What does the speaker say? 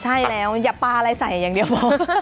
ใช่แล้วอย่าปลาอะไรใส่อย่างเดียว